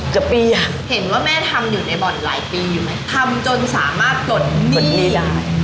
เกือบปีอ่ะเห็นว่าแม่ทำอยู่ในบ่อนหลายปีอยู่ไหมทำจนสามารถปลดหนี้ได้